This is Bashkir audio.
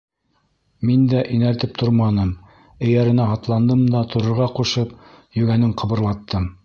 Мин дә инәлтеп торманым, эйәренә атландым да торорға ҡушып, йүгәнен ҡыбырлаттым.